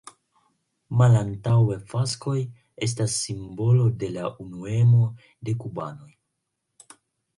Malantaŭe faskoj estas simbolo de la unuemo de kubanoj.